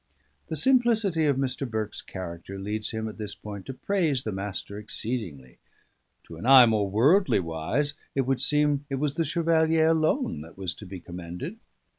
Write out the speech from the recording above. The simplicity of Mr. Burke's character leads him at this point to praise the Master exceedingly; to an eye more worldly wise, it would seem it was the Chevalier alone that was to be commended.